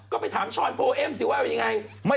ก็ไปถามชอทโปเอมผมว่ามันยังไง